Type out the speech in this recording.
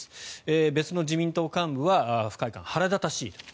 別の自民党幹部は不快感腹立たしいと。